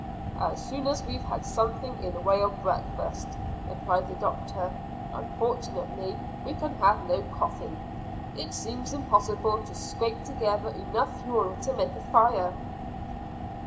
"As soon as we have had something in the way of breakfast," replied the doctor. "Unfortunately we can have no coffee. It seems impossible to scrape together enough fuel to make a fire."